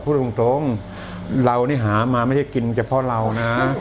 พูดตรงเรานี่หามาไม่ใช่กินเฉพาะเรานะ